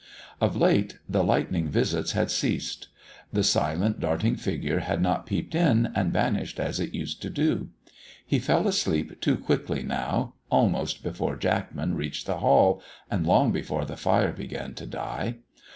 Of late, the lightning visits had ceased. The silent, darting figure had not peeped in and vanished as it used to do. He fell asleep too quickly now, almost before Jackman reached the hall, and long before the fire began to die.